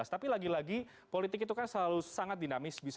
tapi lagi lagi politik itu kan selalu sangat dinamis